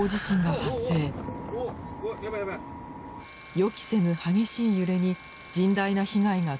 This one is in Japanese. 予期せぬ激しい揺れに甚大な被害が繰り返されています。